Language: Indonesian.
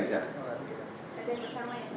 latihan bersama ya